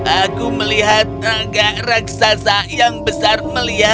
aku melihat naga raksasa yang besar melihatku